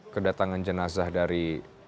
kedatangan jenazah dari